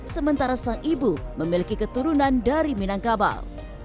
sementara sang ibu memiliki keturunan dari minangkabal